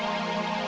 ya ini udah gawat